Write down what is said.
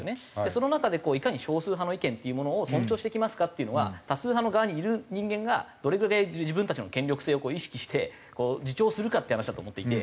その中でいかに少数派の意見っていうものを尊重していきますかっていうのは多数派の側にいる人間がどれぐらい自分たちの権力性を意識して自重するかっていう話だと思っていて。